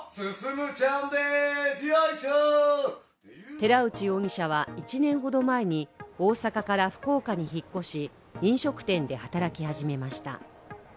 寺内容疑者は１年ほど前に大阪から福岡に引っ越し飲食店で働き始めました。